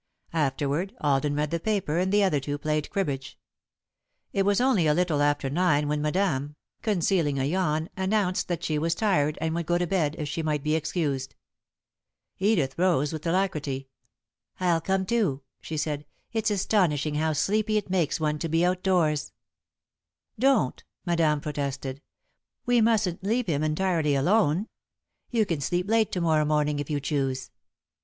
Afterward, Alden read the paper and the other two played cribbage. It was only a little after nine when Madame, concealing a yawn, announced that she was tired and would go to bed, if she might be excused. Edith rose with alacrity. "I'll come, too," she said. "It's astonishing how sleepy it makes one to be outdoors." "Don't," Madame protested. "We mustn't leave him entirely alone. You can sleep late to morrow morning if you choose."